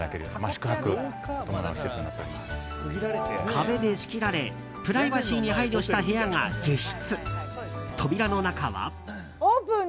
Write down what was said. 壁で仕切られプライバシーに配慮した部屋がオープン！